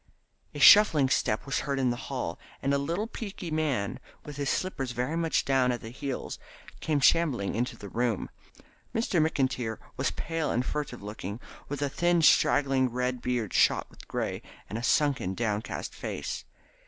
A shuffling step was heard in the hall, and a little peaky man, with his slippers very much down at the heels, came shambling into the room. Mr. McIntyre, sen., was pale and furtive looking, with a thin straggling red beard shot with grey, and a sunken downcast face.